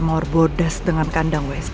mawar bodas dengan kandang west